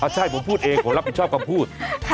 ใช่ผมพูดเองผมรับผิดชอบคำพูด